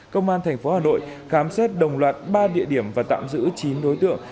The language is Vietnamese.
công an tp hà nội khám xét đồng loạt ba địa điểm và tạm giữ chín đối tượng